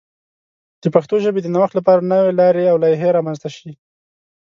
د پښتو ژبې د نوښت لپاره نوې لارې او لایحې رامنځته شي.